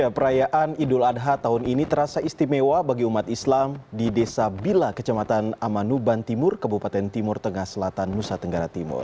perayaan idul adha tahun ini terasa istimewa bagi umat islam di desa bila kecamatan amanuban timur kabupaten timur tengah selatan nusa tenggara timur